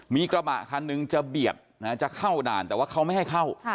มีกระบะคันหนึ่งจะเบียดจะเข้าด่านแต่ว่าเขาไม่ให้เข้า